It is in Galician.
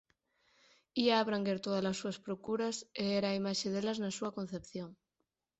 Ía abranguer tódalas súas procuras, e era a imaxe delas na súa concepción.